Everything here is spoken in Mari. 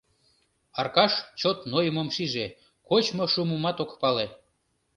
Аркаш чот нойымым шиже — кочмо шумымат ок пале.